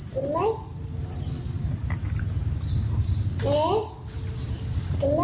กินไหม